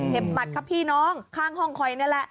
หมัดครับพี่น้องข้างห้องคอยนี่แหละ